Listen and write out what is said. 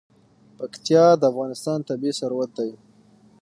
پکتیا د افغانستان طبعي ثروت دی.